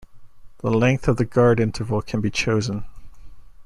The length of the Guard Interval can be chosen.